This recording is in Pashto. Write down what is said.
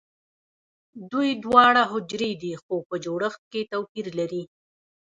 دوی دواړه حجرې دي خو په جوړښت کې توپیر لري